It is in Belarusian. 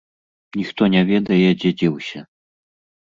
Ніхто не ведае, дзе дзеўся.